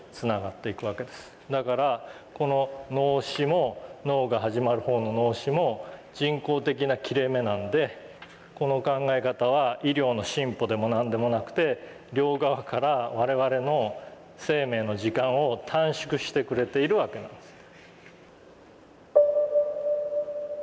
だからこの「脳死」も脳が始まる方の「脳始」も人工的な切れ目なんでこの考え方は医療の進歩でも何でもなくて両側から我々の生命の時間を短縮してくれているわけなんです。